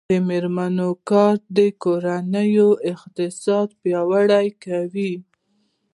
د میرمنو کار د کورنۍ اقتصاد پیاوړی کوي.